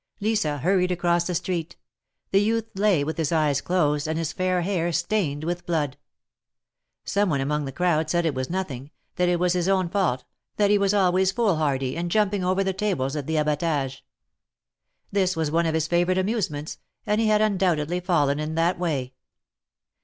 Lisa hurried across the street. The youth lay with his eyes closed, and his fair hair stained with blood. Some one among the crowd said it was nothing, that it was his own fault, that he was always foolhardy, and jumping over 210 THE MARKETS OF PARIS. the tables at the Ahaiage. This was one of his favorite amusements, and he had undoubtedly fallen in that way.